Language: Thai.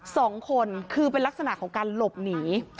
สองคนคือเป็นลักษณะของการหลบหนี